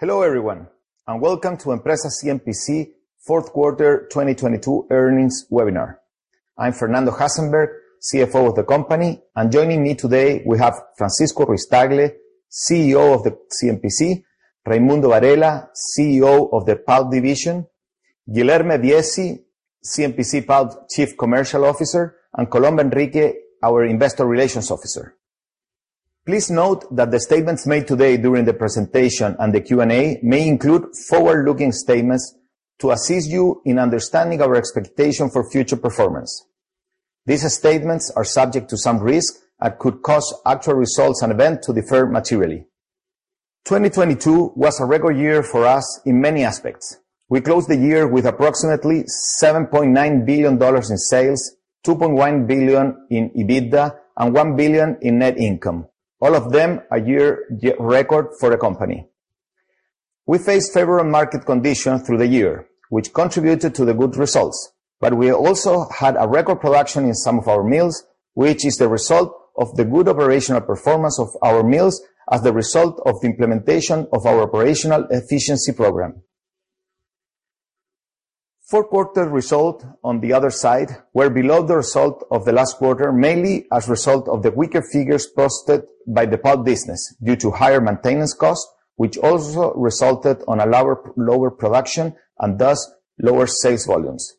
Hello everyone, welcome to Empresas CMPC fourth quarter 2022 earnings webinar. I'm Fernando Hasenberg, CFO of the company, and joining me today we have Francisco Ruiz-Tagle, CEO of the CMPC, Raimundo Varela, CEO of the Pulp Division, Guilherme Viesi, CMPC Pulp Chief Commercial Officer, and Colomba Henríquez, our Investor Relations Officer. Please note that the statements made today during the presentation and the Q&A may include forward-looking statements to assist you in understanding our expectation for future performance. These statements are subject to some risk and could cause actual results and event to defer materially. 2022 was a record year for us in many aspects. We closed the year with approximately $7.9 billion in sales, $2.1 billion in EBITDA, and $1 billion in net income, all of them a year record for the company. We faced favorable market conditions through the year, which contributed to the good results, but we also had a record production in some of our mills, which is the result of the good operational performance of our mills as the result of the implementation of our operational efficiency program. Fourth quarter result on the other side were below the result of the last quarter, mainly as a result of the weaker figures posted by the Pulp business due to higher maintenance costs, which also resulted on a lower production and thus lower sales volumes.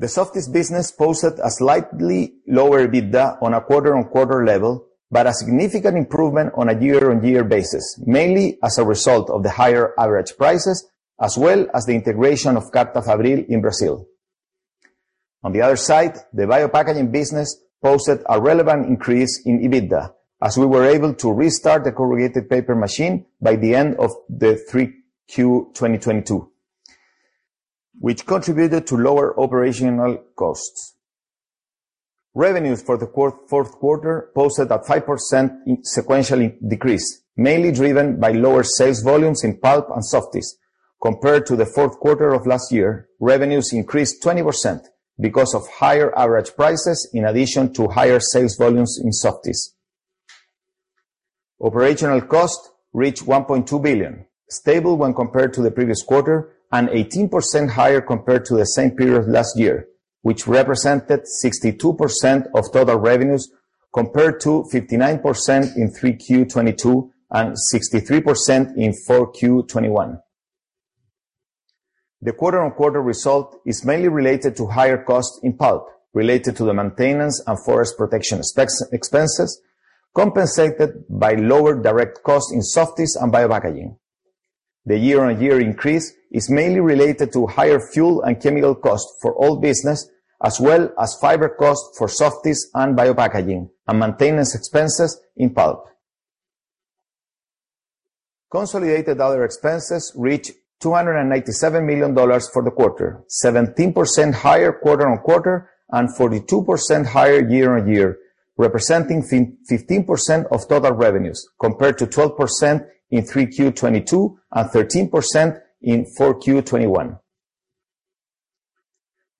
The Softys business posted a slightly lower EBITDA on a quarter-on-quarter level, but a significant improvement on a year-on-year basis, mainly as a result of the higher average prices, as well as the integration of Carta Fabril in Brazil. On the other side, the Biopackaging business posted a relevant increase in EBITDA, as we were able to restart the Corrugated Paper machine by the end of the 3Q 2022, which contributed to lower operational costs. Revenues for the fourth quarter posted at 5% sequentially decrease, mainly driven by lower sales volumes in Pulp and Softys. Compared to the fourth quarter of last year, revenues increased 20% because of higher average prices in addition to higher sales volumes in Softys. Operational costs reached $1.2 billion, stable when compared to the previous quarter and 18% higher compared to the same period last year, which represented 62% of total revenues compared to 59% in 3Q 2022 and 63% in 4Q 2021. The quarter-on-quarter result is mainly related to higher costs in pulp related to the maintenance and forest protection expenses, compensated by lower direct costs in Softys and Biopackaging. The year-on-year increase is mainly related to higher fuel and chemical costs for all business, as well as fiber costs for Softys and Biopackaging, and maintenance expenses in pulp. Consolidated other expenses reached $287 million for the quarter, 17% higher quarter-on-quarter and 42% higher year-on-year, representing 15% of total revenues compared to 12% in 3Q 2022 and 13% in 4Q 2021.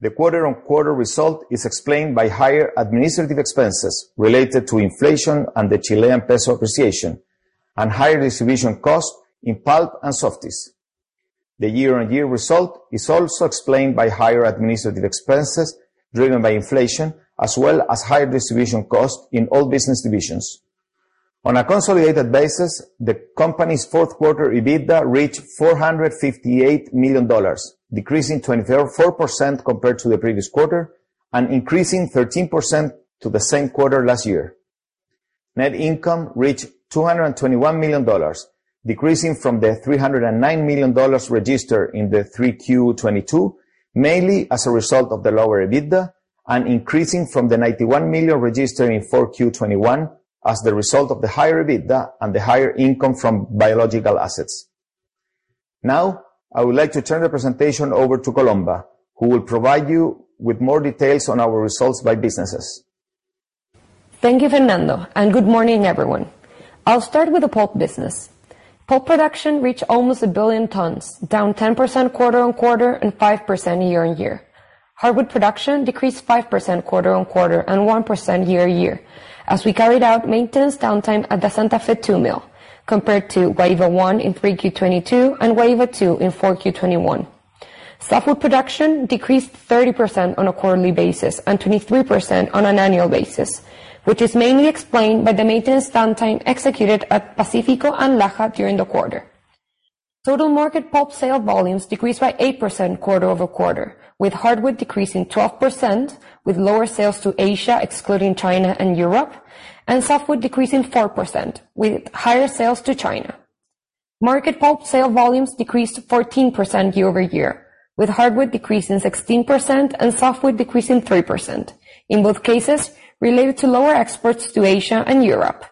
The quarter-on-quarter result is explained by higher administrative expenses related to inflation and the Chilean peso appreciation and higher distribution costs in pulp and Softys. The year-on-year result is also explained by higher administrative expenses driven by inflation, as well as higher distribution costs in all business divisions. On a consolidated basis, the company's fourth quarter EBITDA reached $458 million, decreasing 24% compared to the previous quarter and increasing 13% to the same quarter last year. Net income reached $221 million, decreasing from the $309 million registered in the 3Q 2022, mainly as a result of the lower EBITDA and increasing from the $91 million registered in 4Q 2021 as the result of the higher EBITDA and the higher income from biological assets. I would like to turn the presentation over to Colomba, who will provide you with more details on our results by businesses. Thank you, Fernando. Good morning, everyone. I'll start with the Pulp business. Pulp production reached almost 1 billion tons, down 10% quarter-on-quarter and 5% year-on-year. Hardwood production decreased 5% quarter-on-quarter and 1% year-on-year as we carried out maintenance downtime at the Santa Fe 2 mill compared to Guaíba I in 3Q 2022 and Guaíba II in 4Q 2021. Softwood production decreased 30% on a quarterly basis and 23% on an annual basis, which is mainly explained by the maintenance downtime executed at Pacífico and Laja during the quarter. Total market pulp sale volumes decreased by 8% quarter-over-quarter, with hardwood decreasing 12% with lower sales to Asia, excluding China and Europe, and softwood decreasing 4% with higher sales to China. Market pulp sale volumes decreased 14% year-over-year, with hardwood decreasing 16% and softwood decreasing 3%, in both cases related to lower exports to Asia and Europe.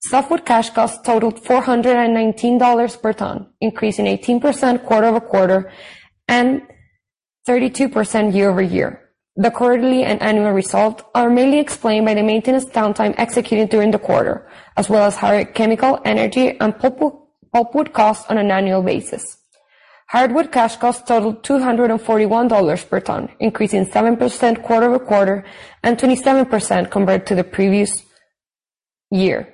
Softwood cash costs totaled $419 per ton, increasing 18% quarter-over-quarter and 32% year-over-year. The quarterly and annual results are mainly explained by the maintenance downtime executed during the quarter, as well as higher chemical energy and pulpwood costs on an annual basis. Hardwood cash costs totaled $241 per ton, increasing 7% quarter-over-quarter and 27% compared to the previous year.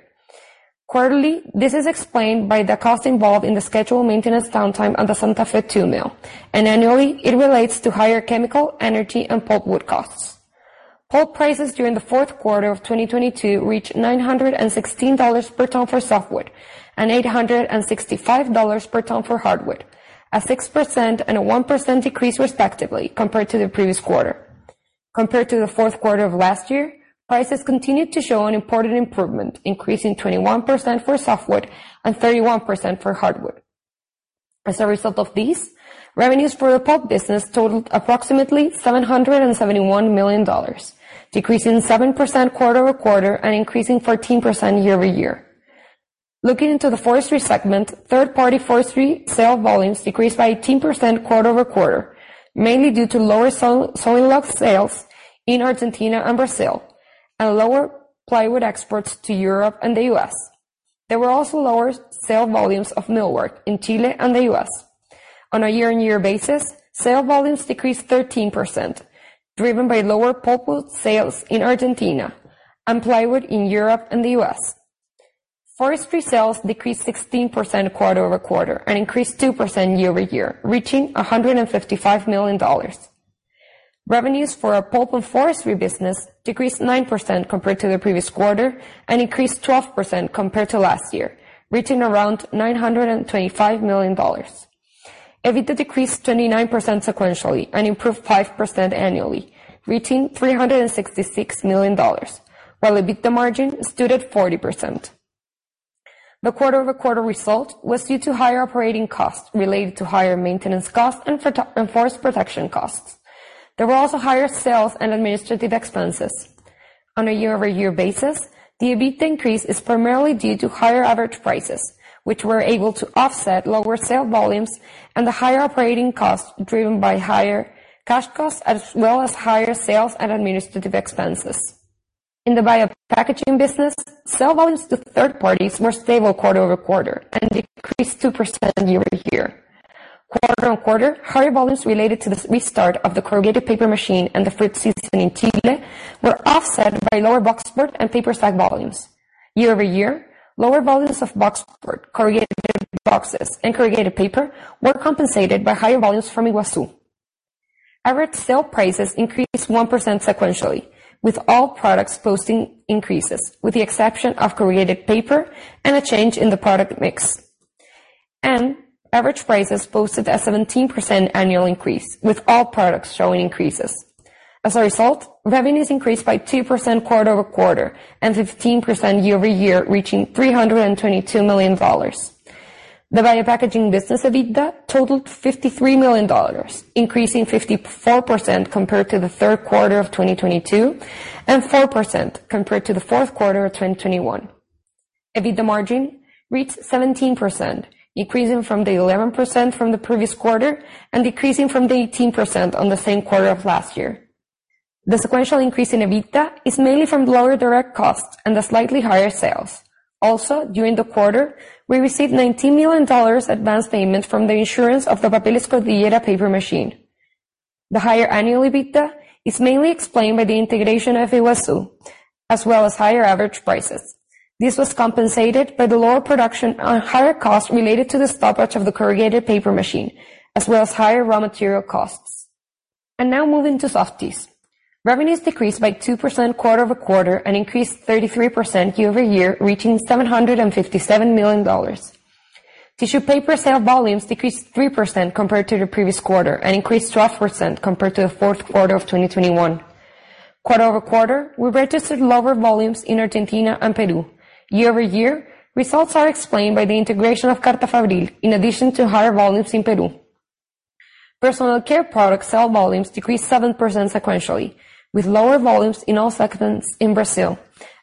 Quarterly, this is explained by the cost involved in the scheduled maintenance downtime at the Santa Fe 2 mill, and annually, it relates to higher chemical, energy, and pulpwood costs. Pulp prices during the fourth quarter of 2022 reached $916 per ton for softwood and $865 per ton for hardwood, a 6% and a 1% decrease respectively compared to the previous quarter. Compared to the fourth quarter of last year, prices continued to show an important improvement, increasing 21% for softwood and 31% for hardwood. As a result of these, revenues for the pulp business totaled approximately $771 million, decreasing 7% quarter-over-quarter and increasing 14% year-over-year. Looking into the forestry segment, third-party forestry sale volumes decreased by 18% quarter-over-quarter, mainly due to lower sawing log sales in Argentina and Brazil and lower plywood exports to Europe and the U.S. There were also lower sale volumes of millwork in Chile and the U.S. On a year-over-year basis, sale volumes decreased 13%, driven by lower pulpwood sales in Argentina and plywood in Europe and the U.S. Forestry sales decreased 16% quarter-over-quarter and increased 2% year-over-year, reaching $155 million. Revenues for our Pulp and forestry business decreased 9% compared to the previous quarter and increased 12% compared to last year, reaching around $925 million. EBITDA decreased 29% sequentially and improved 5% annually, reaching $366 million, while EBITDA margin stood at 40%. The quarter-over-quarter result was due to higher operating costs related to higher maintenance costs and forest protection costs. There were also higher sales and administrative expenses. On a year-over-year basis, the EBITDA increase is primarily due to higher average prices, which were able to offset lower sale volumes and the higher operating costs driven by higher cash costs as well as higher sales and administrative expenses. In the Biopackaging business, sale volumes to third parties were stable quarter-over-quarter and decreased 2% year-over-year. Quarter-on-quarter, higher volumes related to the restart of the corrugated paper machine and the fruit season in Chile were offset by lower boxboard and paper sack volumes. Year-over-year, lower volumes of boxboard, corrugated boxes, and corrugated paper were compensated by higher volumes from Iguaçu. Average sale prices increased 1% sequentially, with all products posting increases, with the exception of corrugated paper and a change in the product mix. Average prices posted a 17% annual increase, with all products showing increases. As a result, revenues increased by 2% quarter-over-quarter and 15% year-over-year, reaching $322 million. The Biopackaging business EBITDA totaled $53 million, increasing 54% compared to the third quarter of 2022, and 4% compared to the fourth quarter of 2021. EBITDA margin reached 17%, increasing from the 11% from the previous quarter and decreasing from the 18% on the same quarter of last year. The sequential increase in EBITDA is mainly from lower direct costs and the slightly higher sales. Also, during the quarter, we received $19 million advanced payment from the insurance of the Papeles Cordillera paper machine. The higher annual EBITDA is mainly explained by the integration of Iguaçu, as well as higher average prices. This was compensated by the lower production and higher costs related to the stoppage of the corrugated paper machine, as well as higher raw material costs. Now moving to Softys. Revenues decreased by 2% quarter-over-quarter and increased 33% year-over-year, reaching $757 million. Tissue paper sale volumes decreased 3% compared to the previous quarter and increased 12% compared to the fourth quarter of 2021. Quarter-over-quarter, we registered lower volumes in Argentina and Peru. Year-over-year, results are explained by the integration of Carta Fabril, in addition to higher volumes in Peru. Personal care products sale volumes decreased 7% sequentially, with lower volumes in all segments in Brazil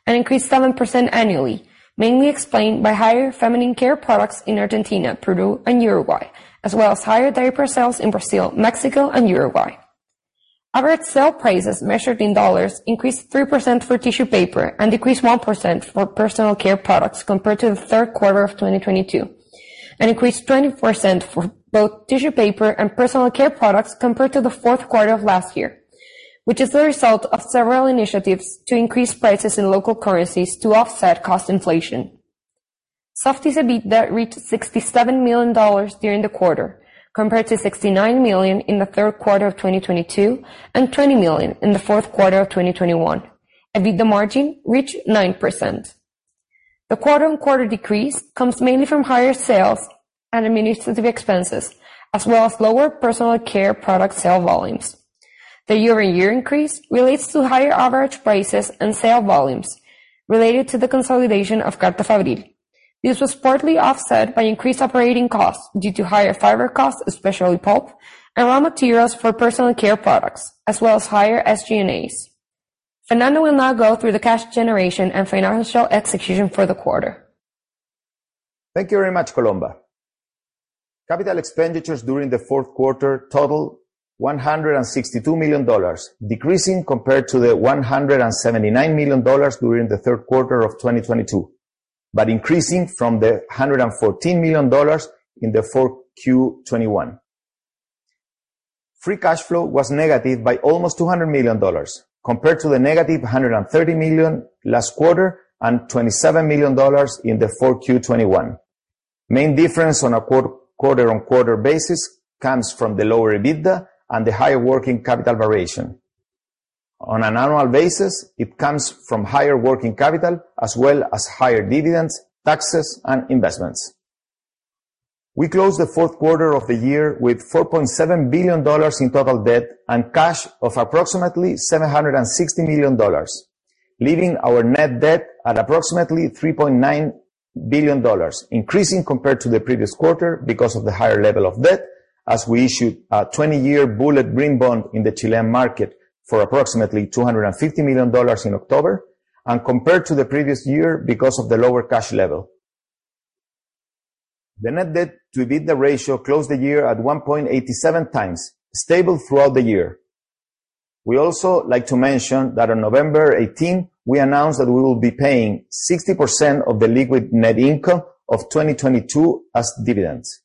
and increased 7% annually, mainly explained by higher feminine care products in Argentina, Peru, and Uruguay, as well as higher diaper sales in Brazil, Mexico, and Uruguay. Average sale prices measured in dollars increased 3% for tissue paper and decreased 1% for personal care products compared to the third quarter of 2022, and increased 20% for both tissue paper and personal care products compared to the fourth quarter of last year, which is the result of several initiatives to increase prices in local currencies to offset cost inflation. Softys EBITDA reached $67 million during the quarter, compared to $69 million in the third quarter of 2022 and $20 million in the fourth quarter of 2021. EBITDA margin reached 9%. The quarter-on-quarter decrease comes mainly from higher sales and administrative expenses, as well as lower personal care products sale volumes. The year-on-year increase relates to higher average prices and sale volumes related to the consolidation of Carta Fabril. This was partly offset by increased operating costs due to higher fiber costs, especially pulp and raw materials for personal care products, as well as higher SG&As. Fernando will now go through the cash generation and financial execution for the quarter. Thank you very much, Colomba. Capital expenditures during the fourth quarter totaled $162 million, decreasing compared to the $179 million during the third quarter of 2022. Increasing from the $114 million in the fourth Q 2021. Free cash flow was negative by almost $200 million compared to the negative $130 million last quarter and $27 million in the fourth Q 2021. Main difference on a quarter-on-quarter basis comes from the lower EBITDA and the higher working capital variation. On an annual basis, it comes from higher working capital as well as higher dividends, taxes and investments. We closed the fourth quarter of the year with $4.7 billion in total debt and cash of approximately $760 million, leaving our net debt at approximately $3.9 billion, increasing compared to the previous quarter because of the higher level of debt. We issued a 20-year bullet green bond in the Chilean market for approximately $250 million in October, and compared to the previous year because of the lower cash level. The Net Debt to EBITDA ratio closed the year at 1.87 times, stable throughout the year. We also like to mention that on November 18, we announced that we will be paying 60% of the liquid net income of 2022 as dividends.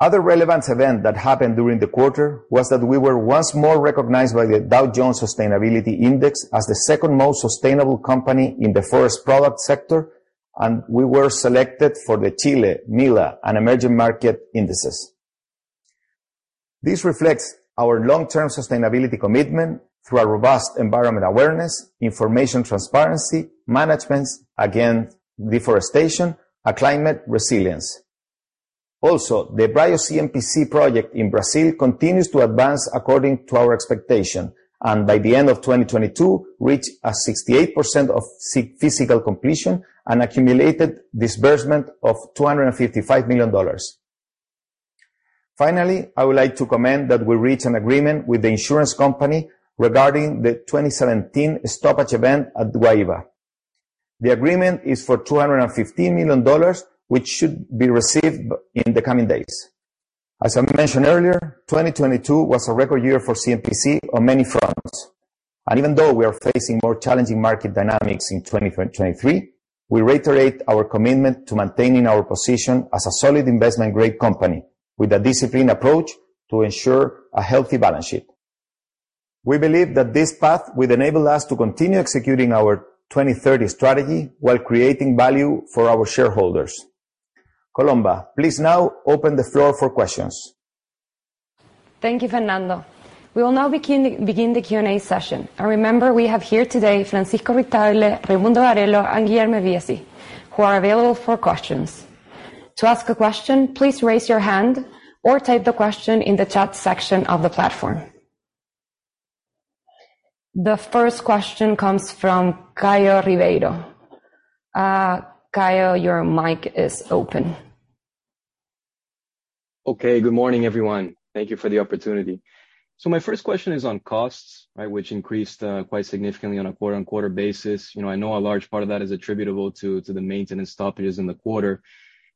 Other relevant event that happened during the quarter was that we were once more recognized by the Dow Jones Sustainability Index as the second most sustainable company in the forest product sector, and we were selected for the Chile, MILA and Emerging Market Indices. This reflects our long-term sustainability commitment through a robust environment awareness, information transparency, managements against deforestation, a climate resilience. The BioCMPC project in Brazil continues to advance according to our expectation, and by the end of 2022 reached a 68% of physical completion and accumulated disbursement of $255 million. Finally, I would like to comment that we reached an agreement with the insurance company regarding the 2017 stoppage event at Guaíba. The agreement is for $215 million, which should be received in the coming days. As I mentioned earlier, 2022 was a record year for CMPC on many fronts. Even though we are facing more challenging market dynamics in 2023, we reiterate our commitment to maintaining our position as a solid investment grade company with a disciplined approach to ensure a healthy balance sheet. We believe that this path will enable us to continue executing our 2030 strategy while creating value for our shareholders. Colomba, please now open the floor for questions. Thank you, Fernando. We will now begin the Q&A session. Remember, we have here today Francisco Ruiz-Tagle, Raimundo Varela and Guilherme Viesi, who are available for questions. To ask a question, please raise your hand or type the question in the chat section of the platform. The first question comes from Caio Ribeiro. Caio, your mic is open. Okay. Good morning, everyone. Thank you for the opportunity. My first question is on costs, right? Which increased quite significantly on a quarter-on-quarter basis. You know, I know a large part of that is attributable to the maintenance stoppages in the quarter.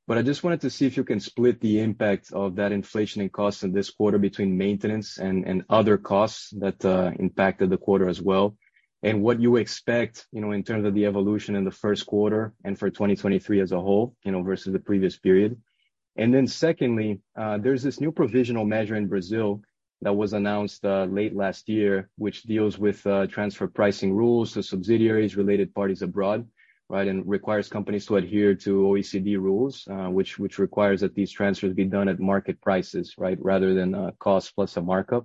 I just wanted to see if you can split the impact of that inflation and costs in this quarter between maintenance and other costs that impacted the quarter as well, and what you expect, you know, in terms of the evolution in the first quarter and for 2023 as a whole, you know, versus the previous period. Secondly, there's this new provisional measure in Brazil that was announced late last year, which deals with transfer pricing rules to subsidiaries, related parties abroad, right? Requires companies to adhere to OECD rules, which requires that these transfers be done at market prices, right? Rather than, cost plus a markup.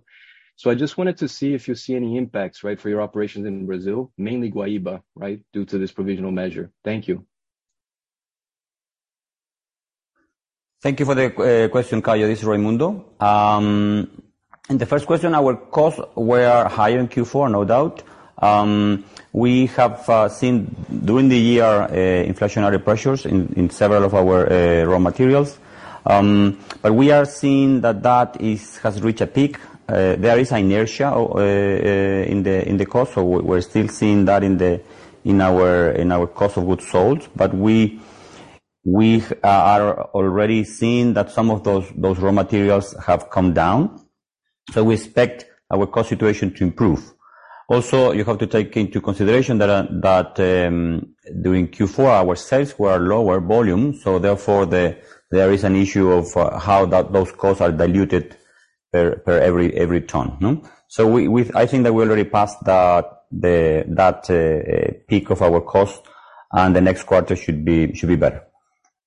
I just wanted to see if you see any impacts, right, for your operations in Brazil, mainly Guaíba, right? Due to this provisional measure. Thank you. Thank you for the question, Caio. This is Raimundo. The first question, our costs were higher in Q4, no doubt. We have seen during the year inflationary pressures in several of our raw materials. But we are seeing that, that has reached a peak. There is inertia in the cost, so we're still seeing that in our cost of goods sold. But we are already seeing that some of those raw materials have come down, so we expect our cost situation to improve. Also, you have to take into consideration that during Q4, our sales were lower volume, so therefore there is an issue of how those costs are diluted per every ton. No? We think that we already passed that peak of our cost and the next quarter should be better.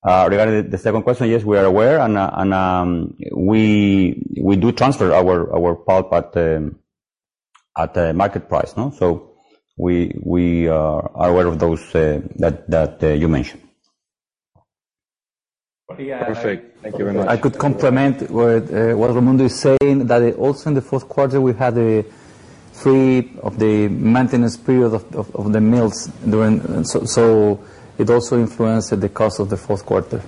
Regarding the second question, yes, we are aware and we do transfer our pulp at a market price. No? We are aware of those that you mentioned. Perfect. Thank you very much. I could complement what Raimundo is saying, that also in the fourth quarter, we had a three of the maintenance period of the mills. It also influenced the cost of the fourth quarter.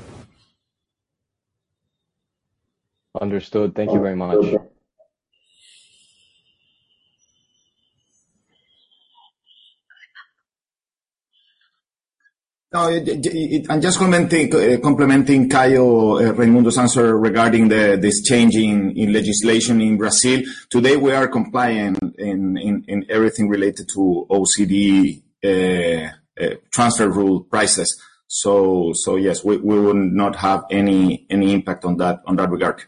Understood. Thank you very much. No, complementing Caio, Raimundo's answer regarding this changing in legislation in Brazil. Today, we are compliant in everything related to OECD transfer rule prices. Yes, we will not have any impact on that regard.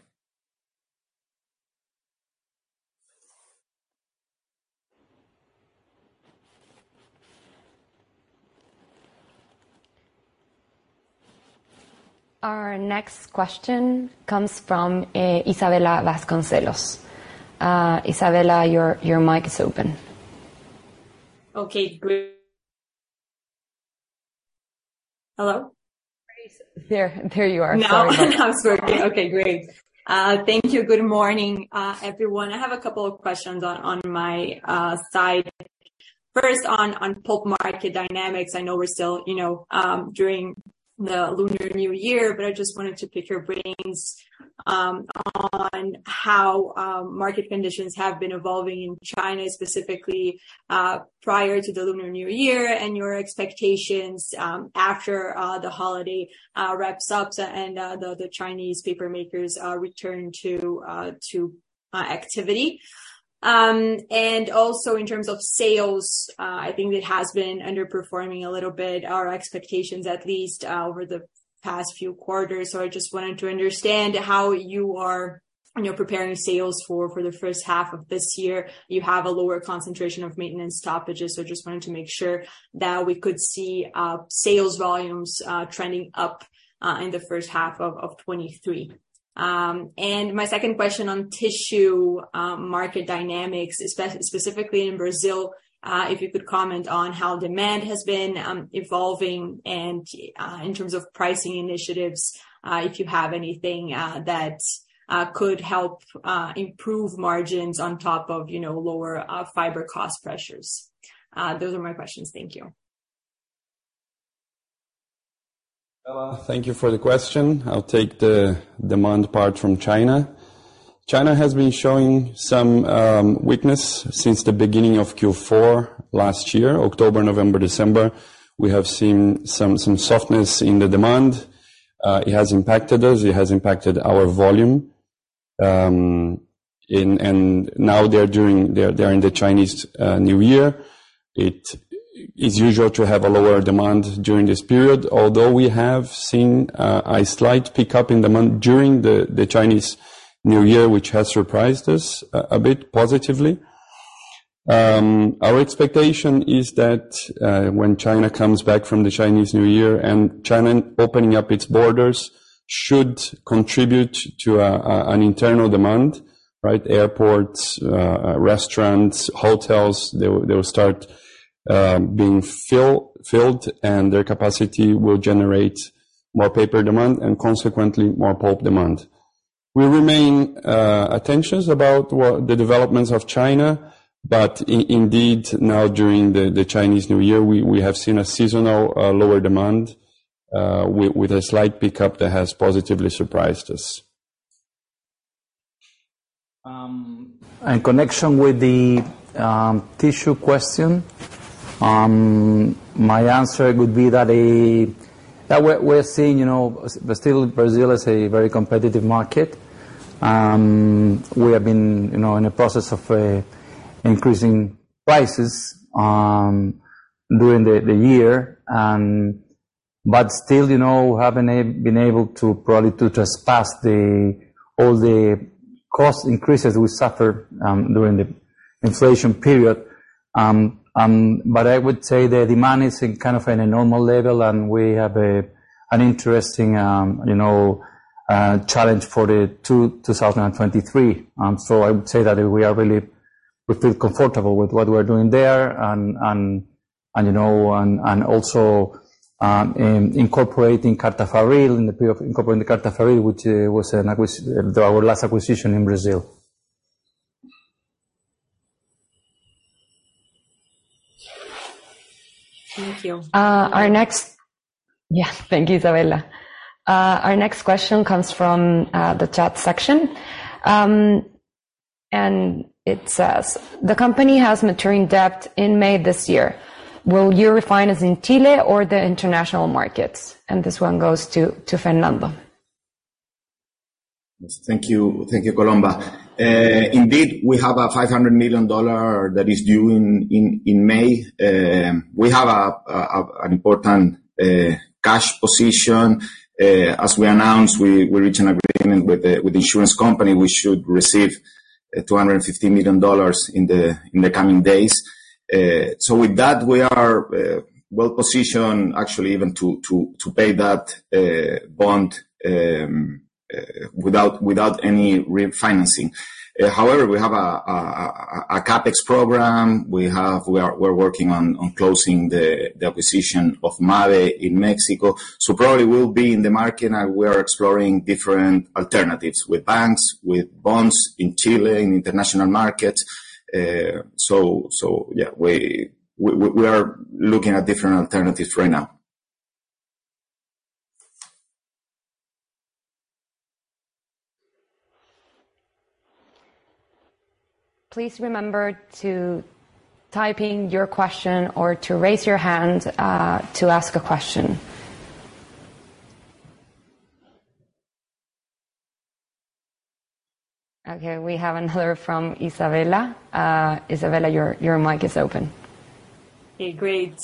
Our next question comes from Isabella Vasconcelos. Isabella, your mic is open. Okay, Hello? There, there you are. Sorry about that. Now it's working. Okay, great. Thank you. Good morning, everyone. I have a couple of questions on my side. First on Pulp market dynamics. I know we're still, you know, during the Lunar New Year. I just wanted to pick your brains on how market conditions have been evolving in China, specifically prior to the Lunar New Year, and your expectations after the holiday wraps up, and the Chinese paper makers return to activity. Also in terms of sales, I think it has been underperforming a little bit, our expectations at least over the past few quarters. I just wanted to understand how you are, you know, preparing sales for the first half of this year. You have a lower concentration of maintenance stoppages, just wanted to make sure that we could see sales volumes trending up in the first half of 23. My second question on tissue market dynamics, specifically in Brazil, if you could comment on how demand has been evolving and in terms of pricing initiatives, if you have anything that could help improve margins on top of, you know, lower fiber cost pressures. Those are my questions. Thank you. Isabella, thank you for the question. I'll take the demand part from China. China has been showing some weakness since the beginning of Q4 last year. October, November, December, we have seen some softness in the demand. It has impacted us. It has impacted our volume. Now they're in the Chinese New Year. It is usual to have a lower demand during this period. Although we have seen a slight pickup in demand during the Chinese New Year, which has surprised us a bit positively. Our expectation is that when China comes back from the Chinese New Year and China opening up its borders should contribute to an internal demand, right? Airports, restaurants, hotels, they will start being filled. Their capacity will generate more paper demand and consequently more pulp demand. We remain attention about what the developments of China. Indeed, now during the Chinese New Year, we have seen a seasonal lower demand with a slight pickup that has positively surprised us. In connection with the tissue question, my answer would be that we're seeing, you know, still Brazil is a very competitive market. We have been, you know, in a process of increasing prices during the year, but still, you know, haven't been able to probably to trespass all the cost increases we suffered during the inflation period. I would say the demand is in kind of in a normal level, and we have an interesting, you know, challenge for 2023. I would say that We feel comfortable with what we're doing there, you know, in incorporating Carta Fabril, which was our last acquisition in Brazil. Thank you. Yes. Thank you, Isabella. Our next question comes from the chat section. It says, "The company has maturing debt in May this year. Will you refinance in Chile or the international markets?" This one goes to Fernando. Yes. Thank you. Thank you, Colomba. Indeed, we have a $500 million that is due in May. We have an important cash position. As we announced, we reached an agreement with insurance company. We should receive $250 million in the coming days. With that, we are well-positioned actually even to pay that bond without any refinancing. However, we have a CapEx program. We're working on closing the acquisition of Mabe in Mexico. Probably we'll be in the market, and we are exploring different alternatives with banks, with bonds in Chile, in international markets. Yeah, we are looking at different alternatives right now. Please remember to type in your question or to raise your hand, to ask a question. We have another from Isabella. Isabella your mic is open. Okay, great.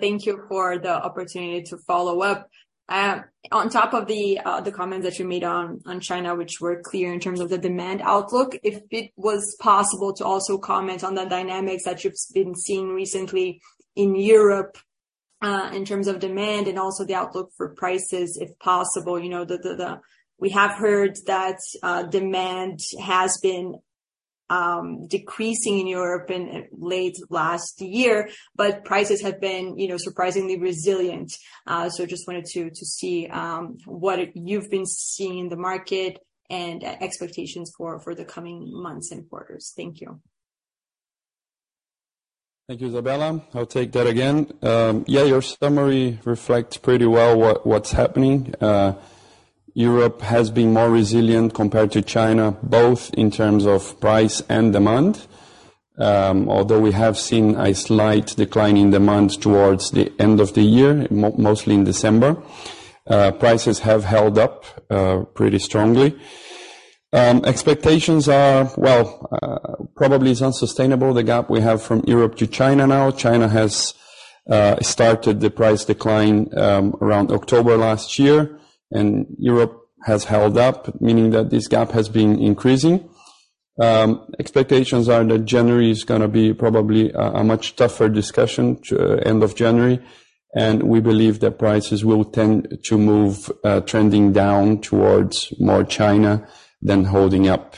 Thank you for the opportunity to follow up. On top of the comments that you made on China, which were clear in terms of the demand outlook, if it was possible to also comment on the dynamics that you've been seeing recently in Europe, in terms of demand and also the outlook for prices, if possible. You know, we have heard that demand has been decreasing in Europe in late last year, but prices have been, you know, surprisingly resilient. Just wanted to see what you've been seeing in the market and expectations for the coming months and quarters. Thank you. Thank you, Isabella. I'll take that again. Yeah, your summary reflects pretty well what's happening. Europe has been more resilient compared to China, both in terms of price and demand. Although we have seen a slight decline in demand towards the end of the year, mostly in December. Prices have held up pretty strongly. Expectations are, well, probably it's unsustainable, the gap we have from Europe to China now. China has started the price decline around October last year, and Europe has held up, meaning that this gap has been increasing. Expectations are that January is gonna be probably a much tougher discussion to end of January, and we believe that prices will tend to move trending down towards more China than holding up.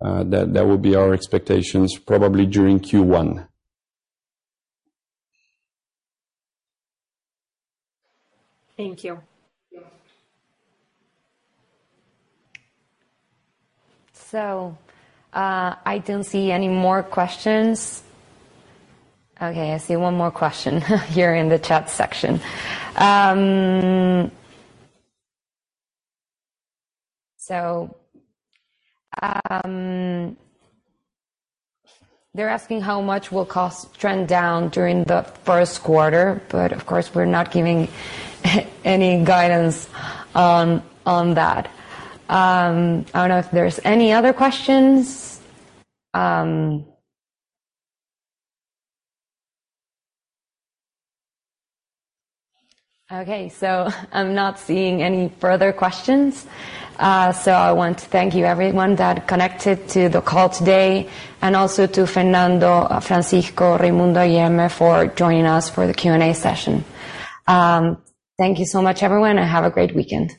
That would be our expectations probably during Q1. Thank you. I don't see any more questions. Okay, I see one more question here in the chat section. They're asking how much will cost trend down during the first quarter, but of course we're not giving any guidance on that. I don't know if there's any other questions. Okay, I'm not seeing any further questions. I want to thank you everyone that connected to the call today and also to Fernando, Francisco, Raimundo, Guilherme for joining us for the Q&A session. Thank you so much everyone, and have a great weekend.